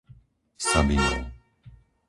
Sabinov